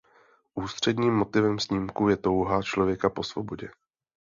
Ústředním motivem snímku je touha člověka po svobodě.